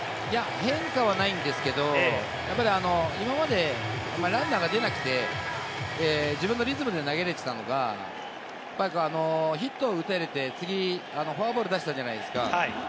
変化はないんですけれども、今までランナーが出なくて、自分のリズムで投げられていたのが、ヒットを打たれて、次、フォアボールを出したじゃないですか。